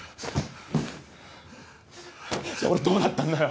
で俺どうなったんだよ